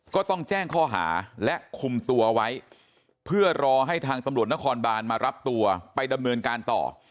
ก็ต้องแจ้งข้อหาและคุมตัวไว้เพื่อรอให้ทางตำรวจนครบานมารับตัวไปดำเนินการต่อ